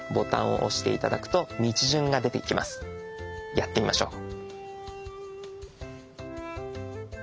やってみましょう。